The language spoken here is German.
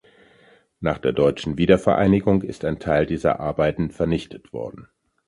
Nach der deutschen Wiedervereinigung ist ein Teil dieser Arbeiten vernichtet worden.